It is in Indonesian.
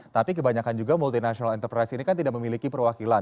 tapi kebanyakan juga multinational enterprise ini kan tidak memiliki perwakilan